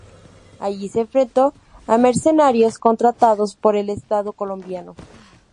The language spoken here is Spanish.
Allí se enfrentó a mercenarios contratados por el Estado colombiano.